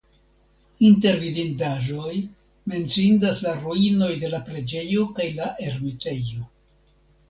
Inter vidindaĵoj menciindas la ruinoj de la preĝejo kaj la ermitejo.